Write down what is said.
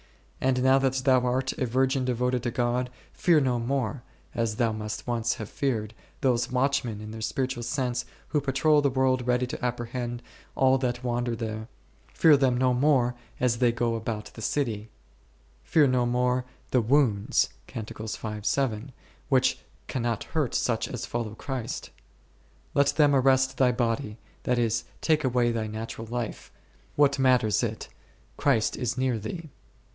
And now that thou art a virgin devoted to God, fear no more (as thou must once have feared) those watchmen (in their spiritual sense) who patrol the world ready to apprehend all that wander there ; fear them no more as they go about the city ; fear no more the wounds 1 which can not hurt such as follow Christ. Let them arrest thy body, that is, take away thy natural life, what matters it, Christ is near thee.